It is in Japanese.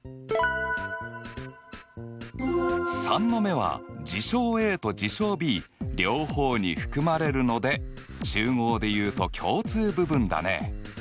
３の目は事象Ａと事象Ｂ両方に含まれるので集合で言うと共通部分だね。